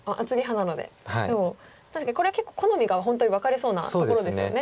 でも確かにこれ結構好みが本当に分かれそうなところですよね。